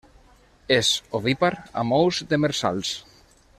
És ovípar amb ous demersals.